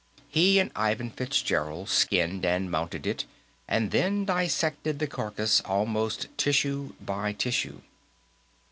He and Ivan Fitzgerald skinned and mounted it, and then dissected the carcass almost tissue by tissue.